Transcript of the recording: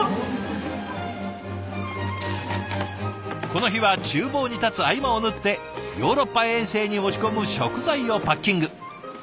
この日はちゅう房に立つ合間を縫ってヨーロッパ遠征に持ち込む食材をパッキング。